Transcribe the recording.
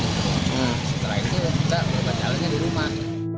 setelah itu kita berbacanya di rumah